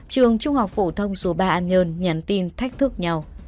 trường trung học phổ thông số ba an nhơn nhắn tin thách thức nhau